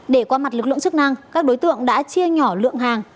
để qua mặt lực lượng chức năng các đối tượng đã chia nhỏ lượng hàng